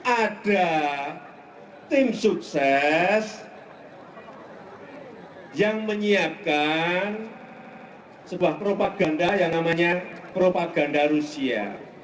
ada tim sukses yang menyiapkan sebuah propaganda yang namanya propaganda rusia